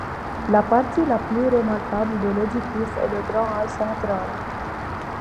La partie la plus remarquable de l'édifice est le grand hall central.